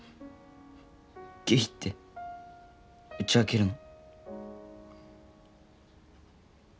ゲイって打ち明けるの。